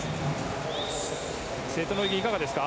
瀬戸の泳ぎいかがですか。